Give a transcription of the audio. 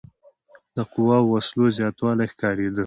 د قواوو او وسلو زیاتوالی ښکارېده.